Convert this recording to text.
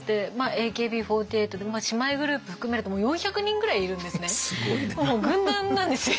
ＡＫＢ４８姉妹グループ含めると４００人ぐらいいるんですね。